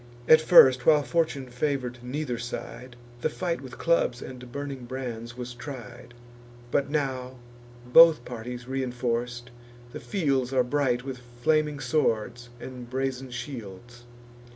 At first, while fortune favour'd neither side, The fight with clubs and burning brands was tried; But now, both parties reinforc'd, the fields Are bright with flaming swords and brazen shields.